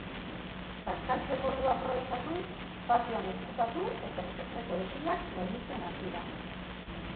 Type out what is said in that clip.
Bazkaltzeko ordua aprobetxatuz, patioan ezkutatu eta espetxeko hesiak gainditzen hasi da.